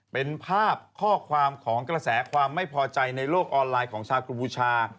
เป็นภาพข้อความของกระแสความไม่พอใจในโลกออนไลน์ของชาวกัมพูชา